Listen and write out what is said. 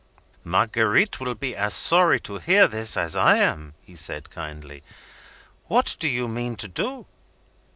"Marguerite will be as sorry to hear of this as I am," he said, kindly. "What do you mean to do?"